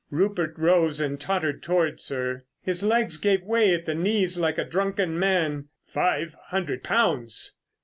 Rupert rose and tottered towards her. His legs gave way at the knees like a drunken man. "Five hundred pounds!"